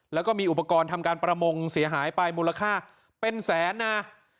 แล้วก็มีอุปกรณ์ทำการประมงเสียหายไปมูลค่าเป็นแสนนะ